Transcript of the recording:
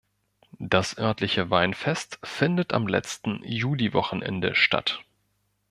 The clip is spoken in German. Das örtliche Weinfest findet am letzten Juliwochenende statt.